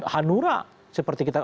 hanura seperti kita